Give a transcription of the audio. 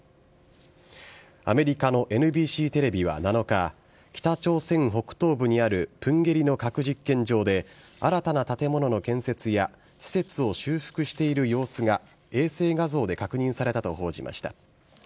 アメリカのＮＢＣテレビは７日、北朝鮮北東部にあるプンゲリの核実験場で、新たな建物の建設や、施設を修復している様子が衛星画像で確認されたと報じました。